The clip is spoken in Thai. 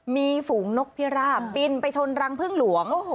มีฝูงนกพิราบบินไปชนรังพึ่งหลวง